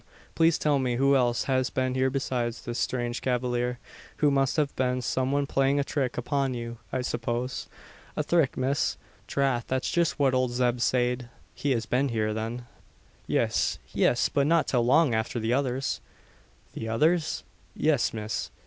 Please tell me who else has been here besides this strange cavalier; who must have been some one playing a trick upon you, I suppose." "A thrick, miss! Trath that's just what owld Zeb sayed." "He has been here, then?" "Yis yis but not till long afther the others." "The others?" "Yis, miss.